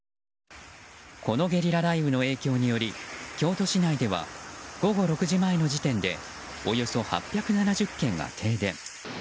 このゲリラ雷雨の影響により京都市内では午後６時前の時点でおよそ８７０軒が停電。